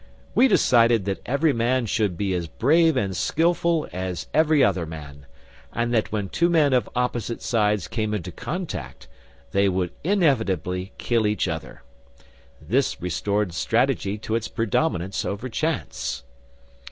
We decided that every man should be as brave and skilful as every other man, and that when two men of opposite sides came into contact they would inevitably kill each other. This restored strategy to its predominance over chance.